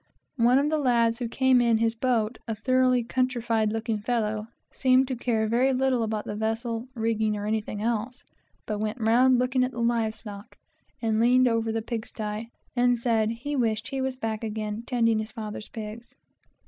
One of the lads who came in his boat, a thoroughly countrified looking fellow, seemed to care very little about the vessel, rigging, or anything else, but went round looking at the live stock, and leaned over the pig sty, and said he wished he was back again tending his father's pigs.